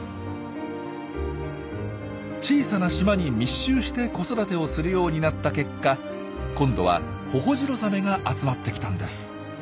小さな島に密集して子育てをするようになった結果今度はホホジロザメが集まってきたんです。